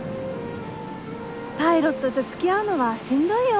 パイロットと付き合うのはしんどいよ。